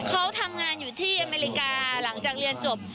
เขาทำงานอยู่ที่อเมริกาหลังจากเรียนจบ